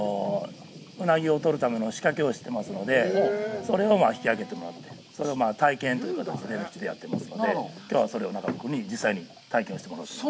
うなぎを取るための仕掛けをしてますので、それを引き上げてもらって、それを体験という形でうちでやってますので、きょうはそれを中丸君に実際に体験をしてもらいます。